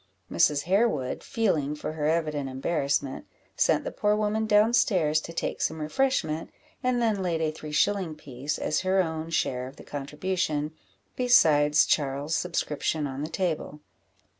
Mrs. Harewood, feeling for her evident embarrassment, sent the poor woman down stairs to take some refreshment, and then laid a three shilling piece, as her own share of the contribution, besides Charles's subscription on the table.